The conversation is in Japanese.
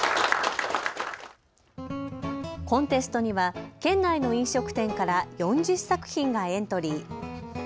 コンテストには県内の飲食店から４０作品がエントリー。